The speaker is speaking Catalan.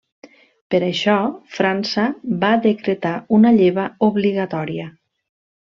Per això, França va decretar una lleva obligatòria.